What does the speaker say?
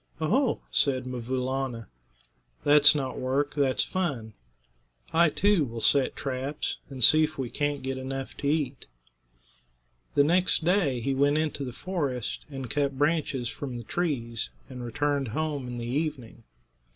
"Oho!" said 'Mvoo Laana; "that's not work; that's fun. I, too, will set traps, and see if we can't get enough to eat." The next day he went into the forest and cut branches from the trees, and returned home in the evening.